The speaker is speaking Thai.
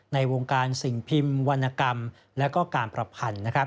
ในวงการสิ่งพิมพ์วรรณกรรมและการประพันธ์